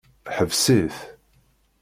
Ḥbes-it.